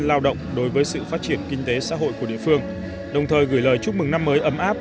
lao động đối với sự phát triển kinh tế xã hội của địa phương đồng thời gửi lời chúc mừng năm mới ấm áp